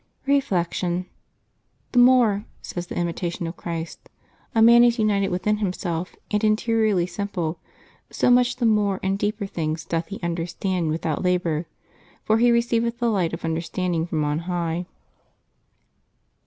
Reflection. —" The more," says the Imitation of Christ, " a man is united within himself and interiorly simple, so much the more and deeper things doth he understand without labor; for he receiveth the light of understanding from on high."